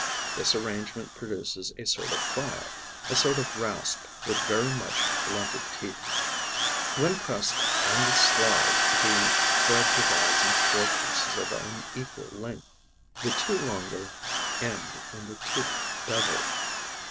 This arrangement produces a sort of file, a sort of rasp with very much blunted teeth. When pressed on the slide, the thread divides into four pieces of unequal length. The two longer end in the toothed bevel.